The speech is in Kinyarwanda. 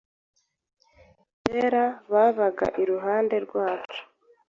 Kera babaga iruhande rwacu.